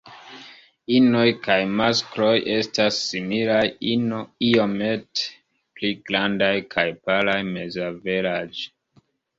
Inoj kaj maskloj estas similaj, ino iomete pli grandaj kaj palaj mezaveraĝe.